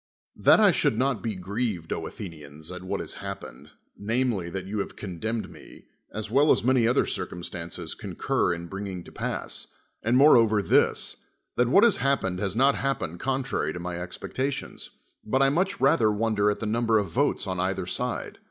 That I should not be grieved, Athenians, at what has ha])pened, namely, that you have con demned me, as well as many other circumstance.5 concur in bringing to pass, and moreover this, that what has happened has not hapi)ened con tfai y to my expectations; but I nmch rather wonder at the number of votes on either side.